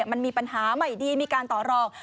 มันมีปัญหาใหม่ดีมีการต่อรอง